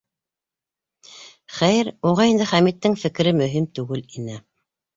Хәйер, уға инде Хәмиттең фекере мөһим түгел ине.